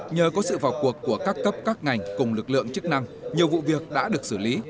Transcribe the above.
nhờ có sự vào cuộc của các cấp các ngành cùng lực lượng chức năng nhiều vụ việc đã được xử lý